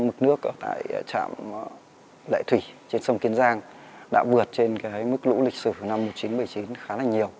mức nước ở tại trạm lệ thủy trên sông kiến giang đã vượt trên mức lũ lịch sử năm một nghìn chín trăm bảy mươi chín khá là nhiều